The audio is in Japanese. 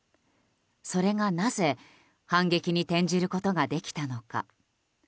それがなぜ反撃に転じることができたのか。